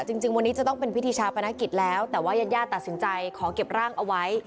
จริงวันนี้จะต้องเป็นพิธีชาปนกิจแล้วแต่ว่ายาดตัดสินใจขอเก็บร่างเอาไว้